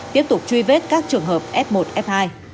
tiếp tục truy vết các trường hợp f một f hai